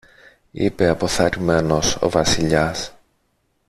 είπε αποθαρρυμένος ο Βασιλιάς.